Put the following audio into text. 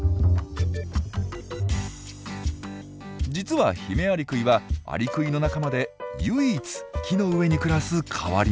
実はヒメアリクイはアリクイの仲間で唯一木の上に暮らす変わり者。